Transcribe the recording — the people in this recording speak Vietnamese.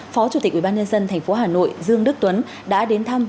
phó chủ tịch ủy ban nhân dân thành phố hà nội dương đức tuấn đã đến thăm